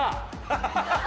ハハハハ！